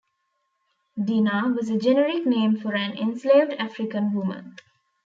"Dinah" was a generic name for an enslaved African woman.